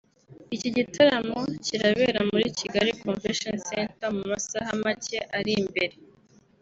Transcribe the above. Iki gitaramo kirabera muri Kigali Convention Center mu masaha macye ari imbere